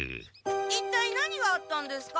一体何があったんですか！？